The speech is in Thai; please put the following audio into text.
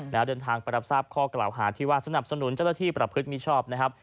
แล้วเดินทางไปรับทราบข้อกล่าวหาที่ว่าสนับสนุนเจ้าหน้าที่ประพฤติมิชอบนะครับ